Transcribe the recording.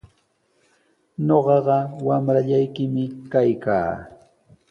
Ñuqaqa wamrallaykimi kaykaa.